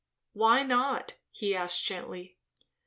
"Why not?" he asked gently.